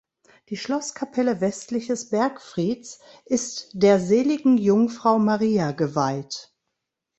Die Schlosskapelle westlich des Bergfrieds ist der Seligen Jungfrau Maria geweiht.